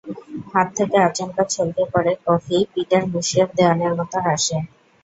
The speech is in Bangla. হাত থেকে আচমকা ছলকে পড়ে কফি, পিটার মুসরেফ দেওয়ানের মতো হাসে।